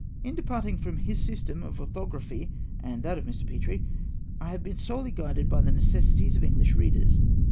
In departing from his system of orthography (and that of Mr. Petrie) I have been solely guided by the necessities of English readers.